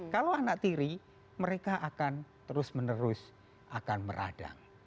kalau anak tiri mereka akan terus menerus akan meradang